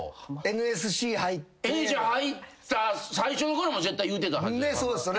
ＮＳＣ入った最初の頃も絶対言うてたはず。